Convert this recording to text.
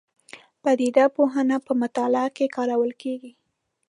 پدیده پوهنه په مطالعه کې کارول کېږي.